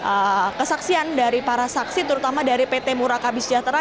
kita dengarkan bagaimana nanti kesaksian dari para saksi terutama dari pt murakabi sejahtera